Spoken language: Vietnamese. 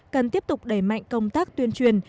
cần tiếp tục đẩy mạnh công tác tuyên truyền